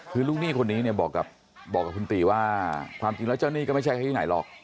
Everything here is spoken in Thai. คือลูกหนี้คนนี้เนี่ยบอกกับคุณตีว่าความจริงแล้วเจ้าหนี้ก็ไม่ใช่ที่ไหนหรอก